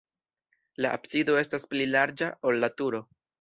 La absido estas pli larĝa, ol la turo.